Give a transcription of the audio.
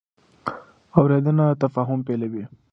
اورېدنه د تفاهم پیلوي.